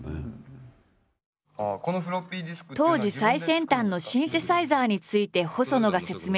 当時最先端のシンセサイザーについて細野が説明する貴重な映像。